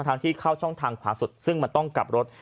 ที่เข้าช่องทางขวาสุดซึ่งมันต้องกลับรถ